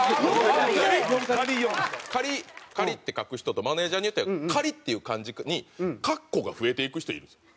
４？４で。って書く人とマネージャーによっては「仮」っていう漢字にかっこが増えていく人いるんですよ。